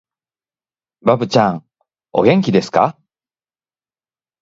ばぶちゃん、お元気ですかー